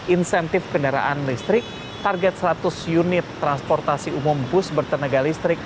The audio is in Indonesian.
insentif kendaraan listrik target seratus unit transportasi umum bus bertenaga listrik